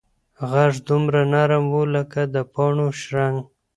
غږ دومره نرم و لکه د پاڼو شرنګ.